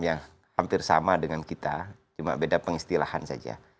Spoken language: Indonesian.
yang hampir sama dengan kita cuma beda pengistilahan saja